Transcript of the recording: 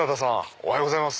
おはようございます。